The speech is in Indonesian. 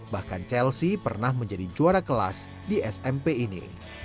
bahkan chelsea pernah menjadi juara kelas di smp ini